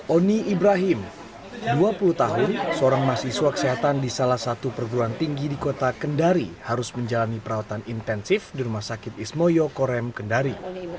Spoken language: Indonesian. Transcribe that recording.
oni ibrahim dua puluh tahun seorang mahasiswa kesehatan di salah satu perguruan tinggi di kota kendari harus menjalani perawatan intensif di rumah sakit ismoyo korem kendari